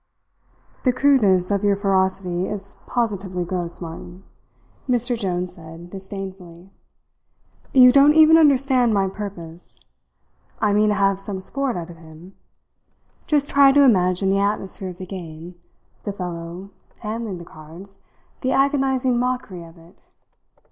"The crudeness of your ferocity is positively gross, Martin," Mr. Jones said disdainfully. "You don't even understand my purpose. I mean to have some sport out of him. Just try to imagine the atmosphere of the game the fellow handling the cards the agonizing mockery of it!